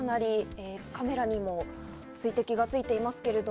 カメラにも水滴がついていますけど。